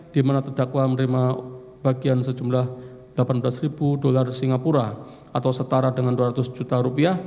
di mana terdakwa menerima bagian sejumlah rp delapan belas singapura atau setara dengan rp dua ratus juta